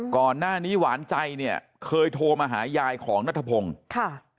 ก่อนหน้านี้หวานใจเนี่ยเคยโทรมาหายายของนัทพงศ์ค่ะ